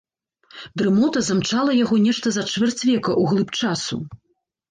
Дрымота замчала яго нешта за чвэрць века ў глыб часу.